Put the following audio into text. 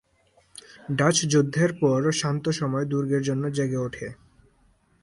Dutch যুদ্ধের পর শান্ত সময় দুর্গের জন্য জেগে ওঠে।